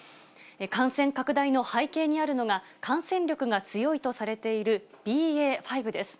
感染拡大の背景にあるのが、感染力が強いとされているＢＡ．５です。